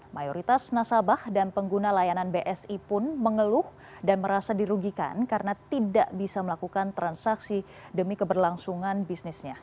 mayoritas nasabah dan pengguna layanan bsi pun mengeluh dan merasa dirugikan karena tidak bisa melakukan transaksi demi keberlangsungan bisnisnya